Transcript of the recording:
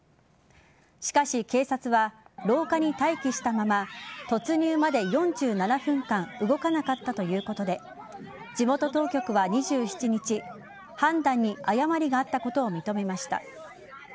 しかし、警察は廊下に待機したまま突入まで４７分間動かなかったということで地元当局は２７日判断に誤りがあったことを認めました。